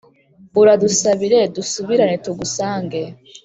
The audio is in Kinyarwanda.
uradusabire dusubirane tugusange